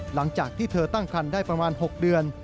หลังจากที่เธอตั้งคันได้ประมาณ๖เดือน